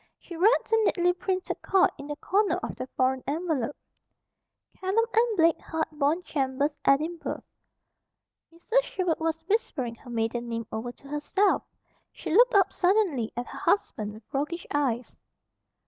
She read the neatly printed card in the corner of the foreign envelope: KELLAM & BLAKE HADBORNE CHAMBERS EDINBURGH Mrs. Sherwood was whispering her maiden name over to herself. She looked up suddenly at her husband with roguish eyes.